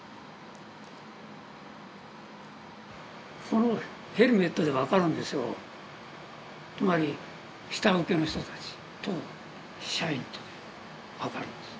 このヘルメットで分かるんですよつまり下請けの人たちと社員とで分かるんです